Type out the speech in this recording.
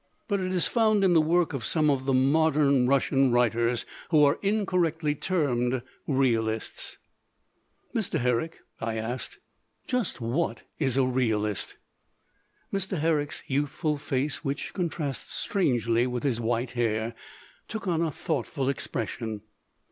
But it is found in the work of some of the modern Russian writers who are incorrectly termed realists." 1 'Mr. Herrick," I asked, "just what is a realist?" Mr. Herrick' s youthful face, which contrasts strangely with his white hair, took on a thought ful expression.